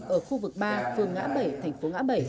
ở khu vực ba phường ngã bảy thành phố ngã bảy